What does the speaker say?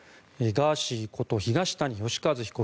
ガーシーこと東谷義和被告